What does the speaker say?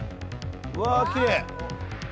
うわきれい！